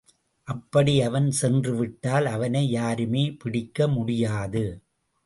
அப்படி அவன் சென்றுவிட்டால் அவனை யாருமே பிடிக்க முடியாது.